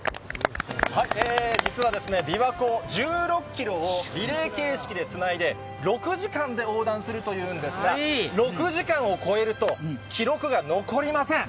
実はですね、びわ湖１６キロをリレー形式でつないで、６時間で横断するというんですが、６時間を超えると、記録が残りません。